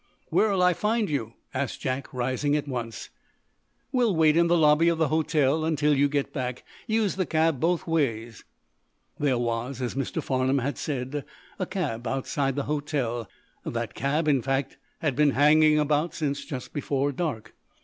"Where'll I find you?" asked Jack, rising at once. "We'll wait in the lobby of the hotel until you get back. Use the cab both ways." There was, as Mr. Farnum had said, a cab outside the hotel. That cab, in fact, had been hanging about since just before dark.